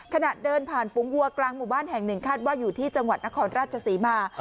ขณะเดินผ่านฝูงวัวกลางหมู่บ้านแห่งหนึ่งคาดว่าอยู่ที่จังหวัดนครราชศรีมา